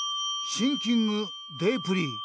シンキングデープリー。